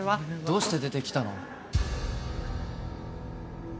・どうして出てきたの？